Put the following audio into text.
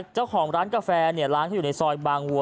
เจ้าของร้านกาแฟร้านเขาอยู่ในซอยบางวัว